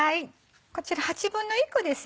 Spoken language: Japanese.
こちら１／８個ですよね。